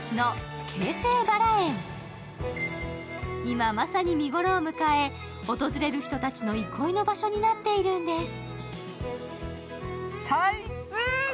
今、まさに見頃を迎え、訪れる人たちの憩いの場所になっているんです。